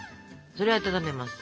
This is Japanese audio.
それを温めます。